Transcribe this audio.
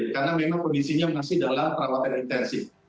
karena memang kondisinya masih dalam perawatan intensif